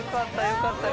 よかった。